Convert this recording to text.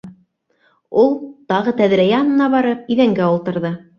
Ул, тағы тәҙрә янына барып, иҙәнгә ултырҙы.